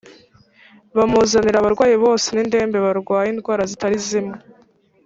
bamuzanira abarwayi bose n’indembe barwaye indwara zitari zimwe